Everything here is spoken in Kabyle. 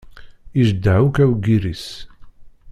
Ijeddeɛ akk aweggir-is.